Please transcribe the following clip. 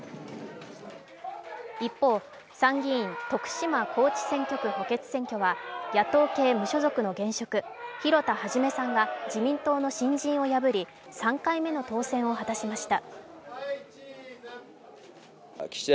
一方、参議院徳島・高知選挙区補欠選挙は野党系無所属の元職広田一さんが自民党の新人を破り３回目の当選を果たしました。